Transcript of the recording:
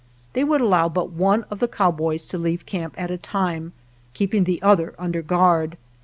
They would allow but one of the cow boys to leave camp at a time, keeping the other under guard.